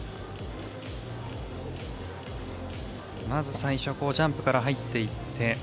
まず最初、ジャンプから入っていって。